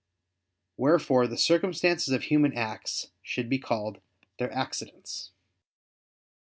Wherefore the circumstances of human acts should be called their accidents.